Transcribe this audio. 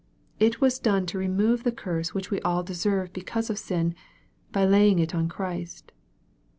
It was done ' o remove the curse which MARK, CHAP. XV. 343 we all deserve because of sin, by lay ing it on Christ.